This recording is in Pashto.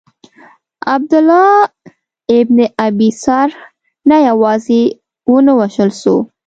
عبدالله بن ابی سرح نه یوازي ونه وژل سو.